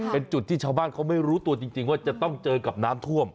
เป็นจุดที่ชาวบ้านเขาไม่รู้ตัวจริงว่าจะต้องเจอกับน้ำท่วม